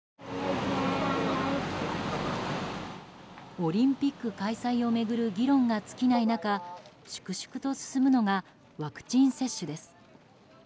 オリンピック開催を巡る議論が尽きない中粛々と進むのがワクチン接種です。